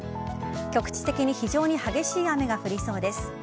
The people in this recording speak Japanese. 局地的に非常に激しい雨が降りそうです。